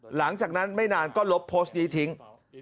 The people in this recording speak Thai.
หลังจากนั้นไม่นานก็ลบโพสต์นี้ทิ้ง